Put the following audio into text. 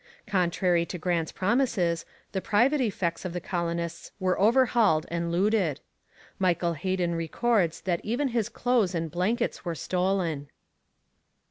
Contrary to Grant's promises, the private effects of the colonists were overhauled and looted. Michael Heden records that even his clothes and blankets were stolen.